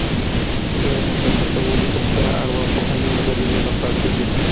د مشخصولو تر شا ارواپوهنيز دليلونه پراته دي.